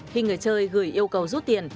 khi người chơi gửi yêu cầu rút tiền